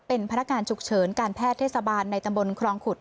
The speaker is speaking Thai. เป็นพนักงานฉุกเฉินการแพทย์เทศบาลในตำบลครองขุด